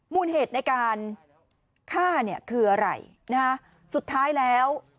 มูลเหตุในการฆ่าเนี่ยคืออะไรนะฮะสุดท้ายแล้ว